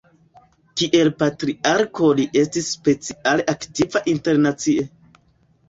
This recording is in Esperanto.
Kiel patriarko li estis speciale aktiva internacie.